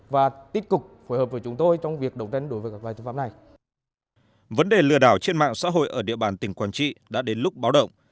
vấn đề lừa đảo trên mạng xã hội ở địa bàn tỉnh quảng trị đã đến lúc báo động